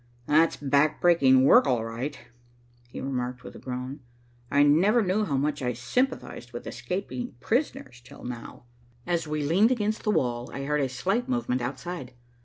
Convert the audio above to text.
"That's backbreaking work, all right," he remarked, with a groan. "I never knew how much I sympathized with escaping prisoners till now." As we leaned against the wall, I heard a slight movement outside.